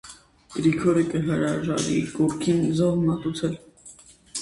Գրիգորը կը հրաժարի կուռքին զոհ մատուցել։